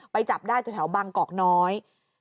จับได้แถวบางกอกน้อย